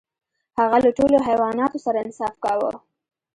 هغه له ټولو حیواناتو سره انصاف کاوه.